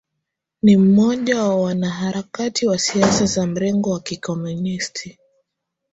Ni mmoja wa wanaharakati wa siasa za mrengo wa Kikomunisti